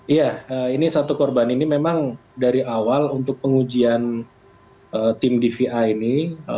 iya ini satu korban ini memang dari awal untuk pengujian tim dvi ini